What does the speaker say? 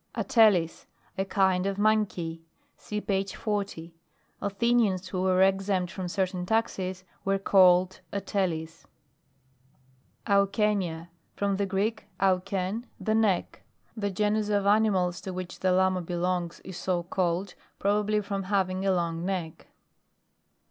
ATELES. A kind of monkey. (See page 40.) Athenians, who were exempt from certain taxes, were called Attica. MAMMALOGY: GLOSSARY. 139 AUCHENIA. From the Greek anchcn, the neck. The genus of animals to which the Llama belongs, is so called, probably from having along neck.